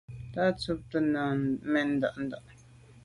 Tàb tshobt’é mèn nda’nda’.